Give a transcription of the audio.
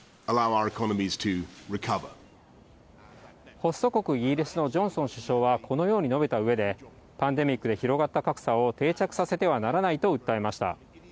ホスト国、イギリスのジョンソン首相はこのように述べたうえで、パンデミックで広がった格差を定着させてはならないと訴えました。